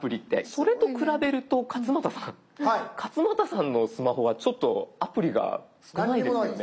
それと比べると勝俣さん勝俣さんのスマホはちょっとアプリが少ないですよね？